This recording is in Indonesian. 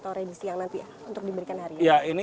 untuk diberikan hari ini